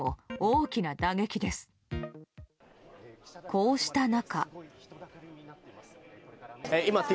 こうした中。